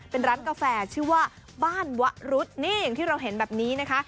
เป็นร้านกาแฟชื่อว่าบ้านวะรุดนี่อย่างที่เราเห็นแบบนี้นะคะ